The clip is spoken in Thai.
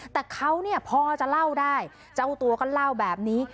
แต่เขาเนี่ยพอจะเล่าได้เจ้าตัวก็เล่าแบบนี้